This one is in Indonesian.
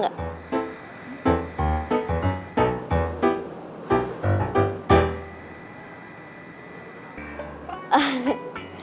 sampai jumpa lagi